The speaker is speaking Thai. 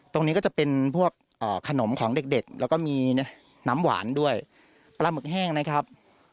ตรงนี้ก็จะเป็นพวกขนมของเด็กแล้วก็มีน้ำหวานด้วยปลาหมึกแห้งนะครับ